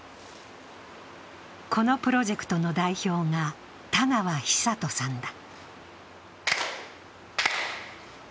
このプロジェクトの代表が田川尚登さんだ。